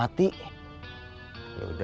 ya tapi ada yang nangis